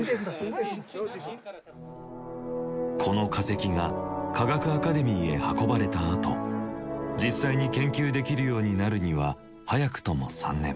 この化石が科学アカデミーへ運ばれたあと実際に研究できるようになるには早くとも３年。